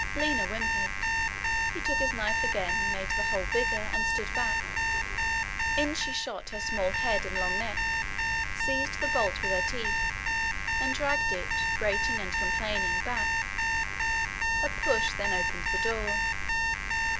Lina whimpered. He took his knife again, made the hole bigger, and stood back. In she shot her small head and long neck, seized the bolt with her teeth, and dragged it, grating and complaining, back. A push then opened the door.